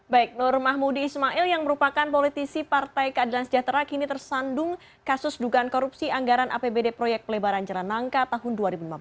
baik nur mahmudi ismail yang merupakan politisi partai keadilan sejahtera kini tersandung kasus dugaan korupsi anggaran apbd proyek pelebaran jalan nangka tahun dua ribu lima belas